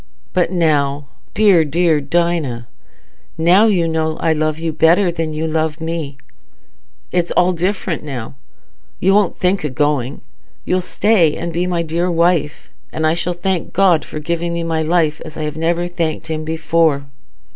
"But now, dear, dear Dinah, now you know I love you better than you love me... it's all different now. You won't think o' going. You'll stay, and be my dear wife, and I shall thank God for giving me my life as I never thanked him before."